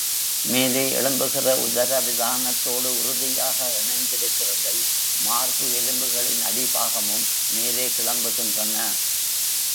மேலே எழும்புகிற உதரவிதானத்தோடு உறுதியாக இணைந்திருக்கிறதை மார்பு எலும்புகளின் அடிபாகமும் மேலே கிளம்புகின்றன.